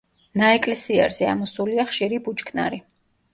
ნაეკლესიარზე ამოსულია ხშირი ბუჩქნარი.